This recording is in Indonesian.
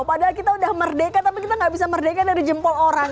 padahal kita udah merdeka tapi kita gak bisa merdeka dari jempol orang